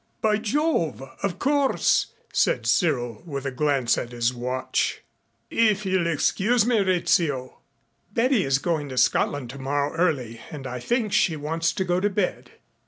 "By Jove of course," said Cyril with a glance at his watch. "If you'll excuse me, Rizzio " "Betty is going to Scotland tomorrow early and I think she wants to go to bed."